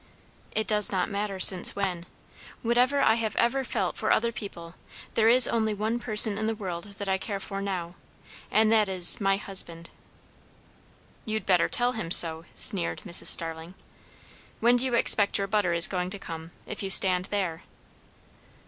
"It does not matter since when. Whatever I have ever felt for other people, there is only one person in the world that I care for now; and that is, my husband." "You'd better tell him so," sneered Mrs. Starling. "When do you expect your butter is going to come, if you stand there?"